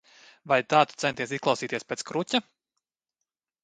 Vai tā tu centies izklausīties pēc kruķa?